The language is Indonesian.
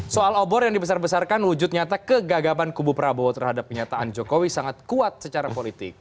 soal obor yang dibesar besarkan wujud nyata kegagaban kubu prabowo terhadap penyataan jokowi sangat kuat secara politik